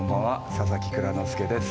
佐々木蔵之介です。